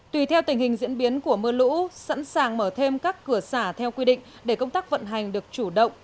tùy theo tình hình diễn biến của mưa lũ sẵn sàng mở thêm các cửa xả theo quy định để công tác vận hành được chủ động